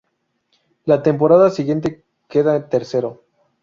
La temporada siguiente queda tercero.